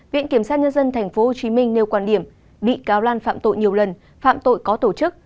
viện kiểm sát nhân dân tp hcm nêu quan điểm bị cáo lan phạm tội nhiều lần phạm tội có tổ chức